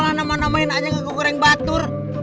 mana mana main aja kegoreng batur